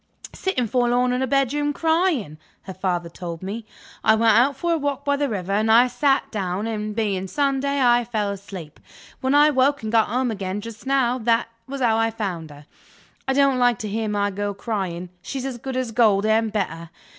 "Sitting forlorn in her bedroom, crying," her father told me. "I went out for a walk by the river, and I sat down, and (being Sunday) I fell asleep. When I woke, and got home again just now, that was how I found her. I don't like to hear my girl crying; she's as good as gold and better.